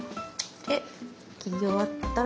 で切り終わったら。